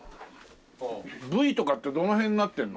部位とかってどの辺になってるの？